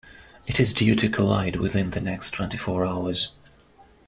It is due to collide within the next twenty-four hours.